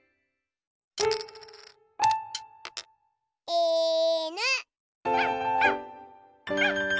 いぬ！